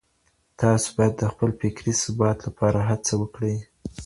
تاسو بايد د خپل فکري ثبات لپاره هڅه وکړئ.